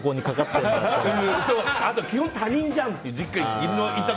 基本、他人じゃんっていう。